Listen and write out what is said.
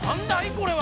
これは。